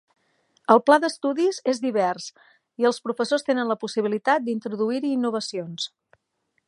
El pla d'estudis és divers, i els professors tenen la possibilitat d'introduir-hi innovacions.